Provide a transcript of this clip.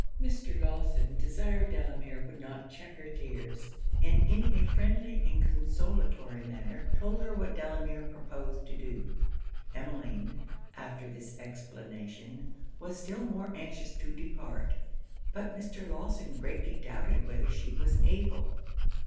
Mr. Lawson desired Delamere would not check her tears; and in a friendly and consolatory manner told her what Delamere proposed to do. Emmeline, after this explanation, was still more anxious to depart; but Mr. Lawson greatly doubted whether she was able.